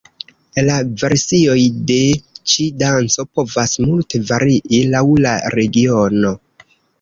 La versioj de ĉi danco povas multe varii laŭ la regiono.